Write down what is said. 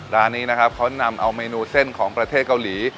ร้านนี้นะครับเขานำเอาเมนูเส้นของประเทศเกาหลี